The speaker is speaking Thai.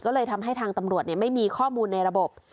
ก็เลยทำให้ทางตำรวจไม่มีข้อมูลในระบบ